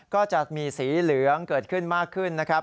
ก็จะมีสีเหลืองเกิดขึ้นมากขึ้นนะครับ